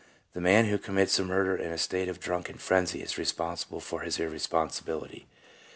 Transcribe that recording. "The man who commits a murder in a state of drunken frenzy is responsible for his irresponsibility."